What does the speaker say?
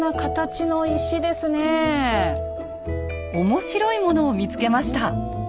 面白いものを見つけました。